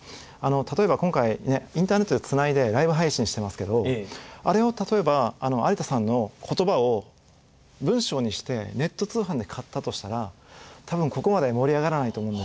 例えば今回インターネットでつないでライブ配信してますけどあれを例えば有田さんの言葉を文章にしてネット通販で買ったとしたら多分ここまで盛り上がらないと思うんですよ。